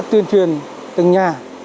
tuyên truyền từng nhà